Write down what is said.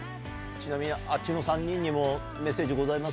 ちなみにあっちの３人にもメッセージございます？